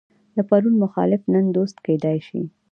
د پرون مخالف نن دوست کېدای شي.